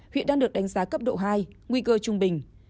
hiện đang được đánh giá cấp độ hai nguy cơ trung bình